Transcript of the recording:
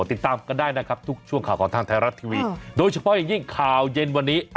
ติดตามกันได้นะครับทุกช่วงข่าวของทางไทยรัฐทีวีโดยเฉพาะอย่างยิ่งข่าวเย็นวันนี้